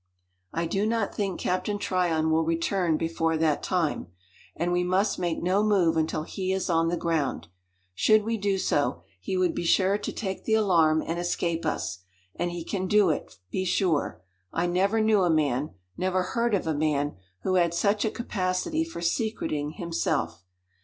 "I do not think Captain Tryon will return before that time; and we must make no move until he is on the ground. Should we do so, he would be sure to take the alarm and escape us; and he can do it, be sure. I never knew a man never heard of a man who had such a capacity for secreting himself.